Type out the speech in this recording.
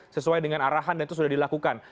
sesuai dengan arahan dan itu sudah dilakukan